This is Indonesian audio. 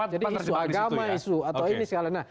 jadi isu agama isu atau ini sekali